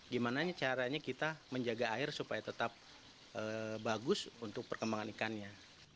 gimana caranya kita menjaga air supaya tetap bagus untuk perkembangan ikannya